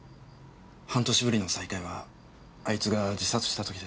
半年ぶりの再会はあいつが自殺した時です。